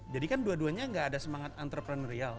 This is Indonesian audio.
jadi kan dua duanya gak ada semangat entrepreneurial